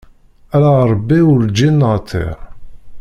Ala Ṛebbi urǧin neɛtiṛ.